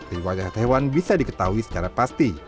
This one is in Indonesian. riwayat hewan bisa diketahui secara pasti